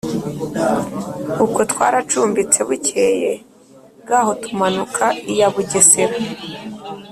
ubwo twaracumbitse, bukeye bwaho tumanuka iya bugesera